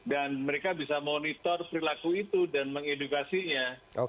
dan mereka bisa monitor perilaku itu dan mengedukasinya